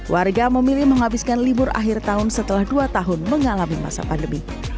warga memilih menghabiskan libur akhir tahun setelah dua tahun mengalami masa pandemi